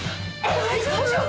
大丈夫？